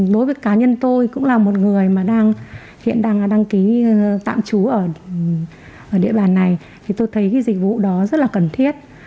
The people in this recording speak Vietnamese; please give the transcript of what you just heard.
đối với cá nhân tôi cũng là một người mà đang hiện đang đăng ký tạm trú ở địa bàn này thì tôi thấy cái dịch vụ đó rất là cần thiết